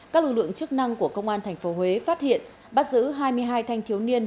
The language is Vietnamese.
các lực lượng chức năng của công an tp huế phát hiện bắt giữ hai mươi hai thanh thiếu niên